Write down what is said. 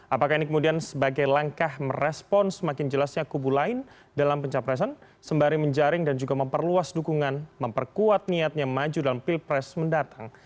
apakah ini kemudian sebagai langkah merespon semakin jelasnya kubu lain dalam pencapresan sembari menjaring dan juga memperluas dukungan memperkuat niatnya maju dalam pilpres mendatang